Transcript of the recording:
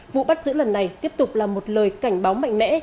vụ bắt giữ lần này tiếp tục là một lời cảnh báo mạnh mẽ